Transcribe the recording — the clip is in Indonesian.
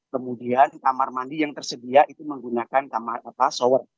kemudian kamar mandi yang tersedia itu menggunakan sour